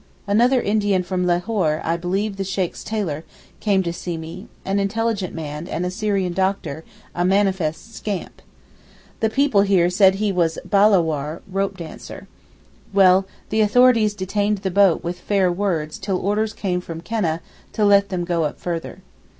Another Indian from Lahore, I believe the Sheykh's tailor, came to see me—an intelligent man, and a Syrian doctor; a manifest scamp. The people here said he was a bahlawar (rope dancer). Well, the authorities detained the boat with fair words till orders came from Keneh to let them go up further.